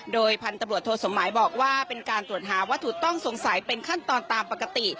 โดยพันธุ์ตำรวจโทสมหมายบอกว่าเป็นการตรวจหาวัตถุต้องสงสัยเป็นขั้นตอนตามปกติ